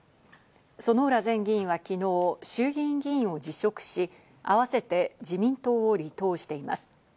薗浦前議員は昨日、衆議院議員を辞職し、あわせて自民党を離党しています。